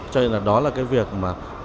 cho nên đó là cái việc mà